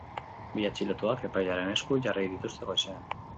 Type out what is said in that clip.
Bi atxilotuak epailearen esku jarri dituzte goizean.